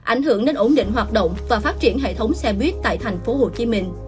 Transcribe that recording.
ảnh hưởng đến ổn định hoạt động và phát triển hệ thống xe buýt tại tp hcm